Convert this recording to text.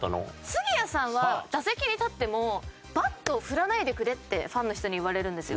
杉谷さんは打席に立ってもバットを振らないでくれってファンの人に言われるんですよ。